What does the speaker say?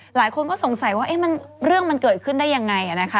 หลายคนก็สงสัยว่าเรื่องมันเกิดขึ้นได้ยังไงนะคะ